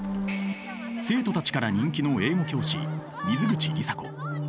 生徒たちから人気の英語教師水口里紗子。